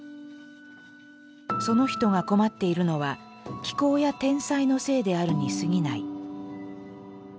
その人が困っているのは気候や天災のせいであるにすぎない。